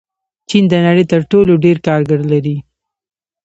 چین د نړۍ تر ټولو ډېر کارګر لري.